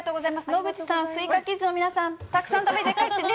野口さん、スイカキッズの皆さん、たくさん食べて帰ってね。